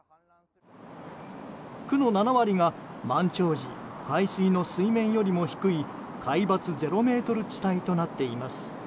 区の７割が満潮時海水の水面よりも低い海抜０ｍ地帯となっています。